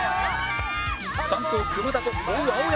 ３走熊田と追う青山